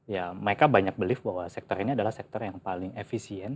ya mereka banyak belief bahwa sektor ini adalah sektor yang paling efisien